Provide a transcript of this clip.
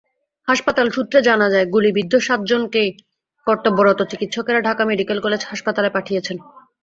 হাসপাতাল সূত্রে জানা যায়, গুলিবিদ্ধ সাতজনকেই কর্তব্যরত চিকিৎসকেরা ঢাকা মেডিকেল কলেজ হাসপাতালে পাঠিয়েছেন।